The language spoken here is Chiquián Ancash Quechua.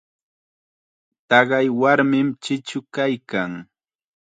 Taqay warmim chichu kaykan.